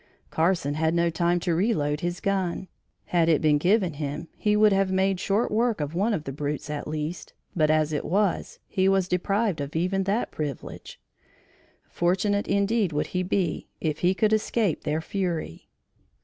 Carson had no time to reload his gun: had it been given him he would have made short work of one of the brutes at least, but as it was, he was deprived of even that privilege. Fortunate indeed would he be if he could escape their fury.